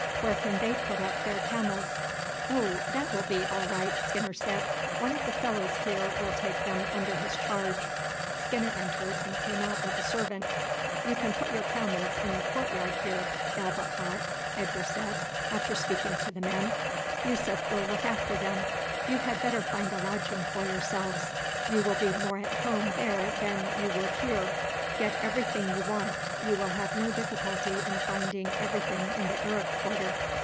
Where can they put up their camels?" "Oh! that will be all right," Skinner said; "one of the fellows here will take them under his charge." Skinner entered and came out with a servant. "You can put your camels in the court yard here, El Bakhat," Edgar said after speaking to the men. "Yussuf will look after them. You had better find a lodging for yourselves. You will be more at home there than you would here. Get everything you want; you will have no difficulty in finding everything in the Arab quarter.